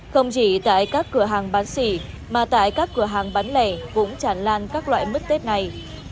không chỉ tại các cửa hàng bán xỉ mà tại các cửa hàng bán lẻ cũng chẳng lan các loại mứt tết này